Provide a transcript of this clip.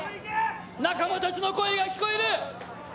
仲間たちの声が聞こえる。